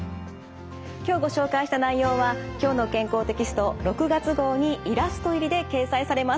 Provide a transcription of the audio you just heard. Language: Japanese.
今日ご紹介した内容は「きょうの健康」テキスト６月号にイラスト入りで掲載されます。